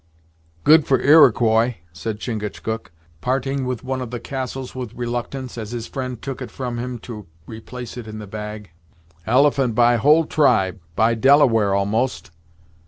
"Good for Iroquois!" said Chingachgook, parting with one of the castles with reluctance, as his friend took it from him to replace it in the bag "Elephon buy whole tribe buy Delaware, almost!"